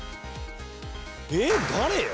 えっ誰？